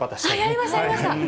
やりました、やりました。